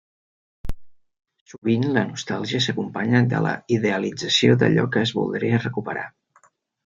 Sovint la nostàlgia s'acompanya de la idealització d'allò que es voldria recuperar.